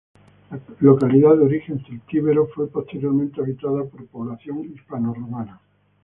Localidad de origen celtíbero, fue posteriormente habitada por población hispanorromana.